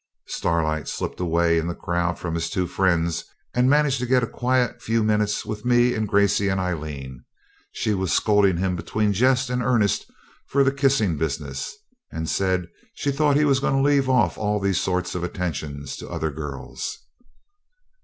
Starlight slipped away in the crowd from his two friends, and managed to get a quiet few minutes with me and Gracey and Aileen; she was scolding him between jest and earnest for the kissing business, and said she thought he was going to leave off these sort of attentions to other girls.